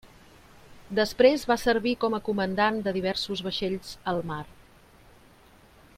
Després va servir com a comandant de diversos vaixells al mar.